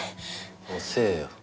おせえよ。